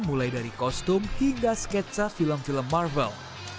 mulai dari kostum hingga sketsa film film marvel